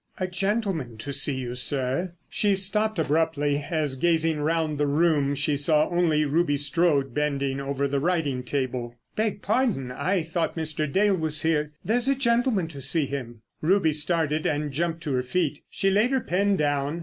"A gentleman to see you, sir." She stopped abruptly, as, gazing round the room, she saw only Ruby Strode bending over the writing table. "Beg pardon, I thought Mr. Dale was here. There's a gentleman to see him." Ruby started and jumped to her feet. She laid her pen down.